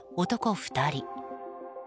２人。